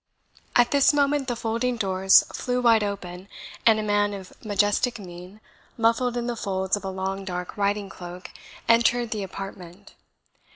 At this moment the folding doors flew wide open, and a man of majestic mien, muffled in the folds of a long dark riding cloak, entered the apartment.